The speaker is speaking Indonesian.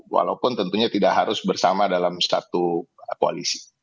walaupun tentunya tidak harus bersama dalam satu koalisi